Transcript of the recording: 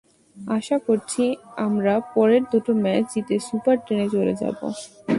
আশা করছি, আমরা পরের দুটো ম্যাচ জিতে সুপার টেনে চলে যাব।